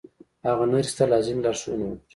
هغه نرسې ته لازمې لارښوونې وکړې